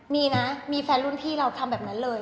มีนะมีแฟนรุ่นพี่เราทำแบบนั้นเลย